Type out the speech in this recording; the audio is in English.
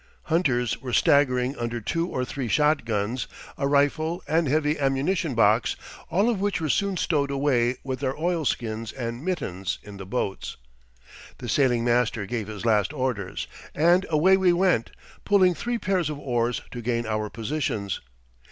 Hunters were staggering under two or three shotguns, a rifle and heavy ammunition box, all of which were soon stowed away with their oilskins and mittens in the boats. The sailing master gave his last orders, and away we went, pulling three pairs of oars to gain our positions.